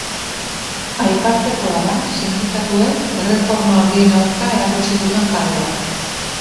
Aipatzekoa da sindikatuek erreforma horien aurka erakutsi duten jarrera.